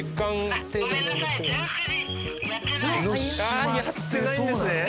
あやってないんですね。